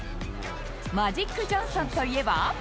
マジック・ジョンソンといえば。